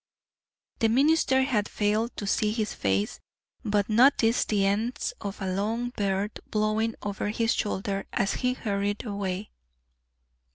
The minister had failed to see his face, but noticed the ends of a long beard blowing over his shoulder as he hurried away.